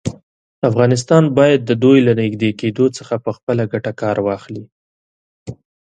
افغانستان باید د دوی له نږدې کېدو څخه په خپله ګټه کار واخلي.